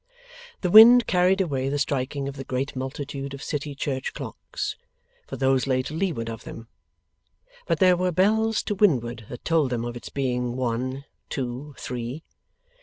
The wind carried away the striking of the great multitude of city church clocks, for those lay to leeward of them; but there were bells to windward that told them of its being One Two Three.